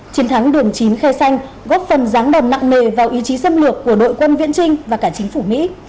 chiến thắng đường chín khe xanh góp phần ráng đòn nặng nề vào ý chí xâm lược của đội quân viễn trinh và cả chính phủ mỹ